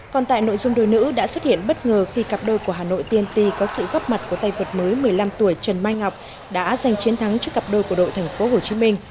còn tại nội dung đôi nữ đã xuất hiện bất ngờ khi cặp đôi của hà nội tnt có sự góp mặt của tay vật mới một mươi năm tuổi trần mai ngọc đã giành chiến thắng cho cặp đôi của đội tp hcm